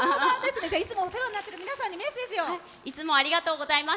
いつもお世話になっている皆さんにいつもありがとうございます。